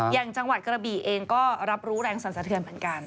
อย่างจังหวัดกระบีเองก็รับรู้แรงสรรสะเทือนเหมือนกัน